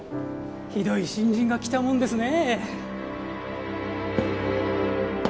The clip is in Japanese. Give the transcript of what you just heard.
ひどい新人が来たもんですね。